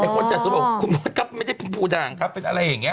คุณพุทธครับไม่ได้เป็นผู้ด่างครับเป็นอะไรอย่างนี้